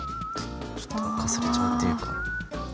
ちょっとかすれちゃうっていうか。